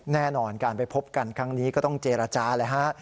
แน่นอนการไปพบกันครั้งนี้ก็ต้องเจรจาเลยฮะ